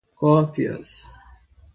cópias